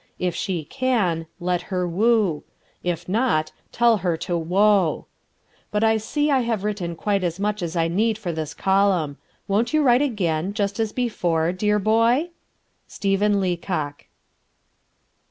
If she can, let her woo; if not, tell her to whoa. But I see I have written quite as much as I need for this column. Won't you write again, just as before, dear boy? "STEPHEN LEACOCK."